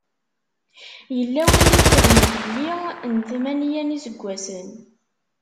Yella win yukren yelli n tmanya n yiseggasen.